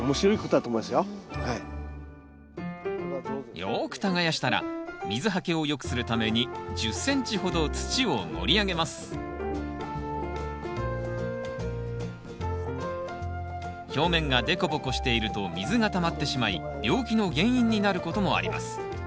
よく耕したら水はけを良くするために１０ｃｍほど土を盛り上げます表面が凸凹していると水がたまってしまい病気の原因になることもあります。